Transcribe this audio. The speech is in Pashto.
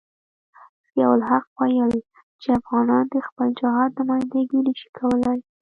ضیاء الحق ویل چې افغانان د خپل جهاد نمايندګي نشي کولای.